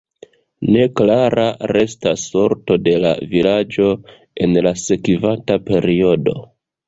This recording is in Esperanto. Neklara restas sorto de la vilaĝo en la sekvanta periodo.